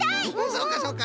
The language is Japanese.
そうかそうか。